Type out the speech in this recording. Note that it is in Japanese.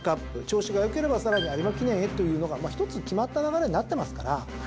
調子が良ければさらに有馬記念へというのが一つ決まった流れになってますから。